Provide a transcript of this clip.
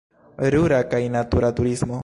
Rura kaj natura turismo.